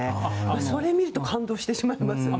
それ見ると感動してしまいます。